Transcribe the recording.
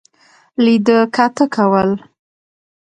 لیده کاته کول.